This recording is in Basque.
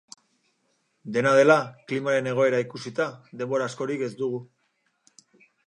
Dena dela, klimaren egoera ikusita, denbora askorik ez dugu.